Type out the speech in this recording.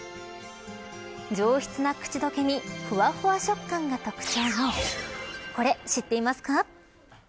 上質な口どけにふわふわ食感が特徴のこれ、知っていますか。